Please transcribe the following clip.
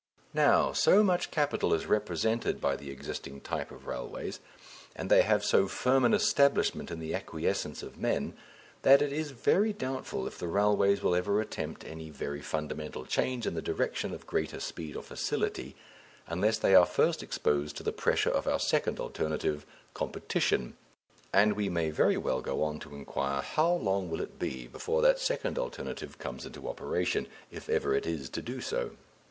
Now, so much capital is represented by the existing type of railways, and they have so firm an establishment in the acquiescence of men, that it is very doubtful if the railways will ever attempt any very fundamental change in the direction of greater speed or facility, unless they are first exposed to the pressure of our second alternative, competition, and we may very well go on to inquire how long will it be before that second alternative comes into operation if ever it is to do so.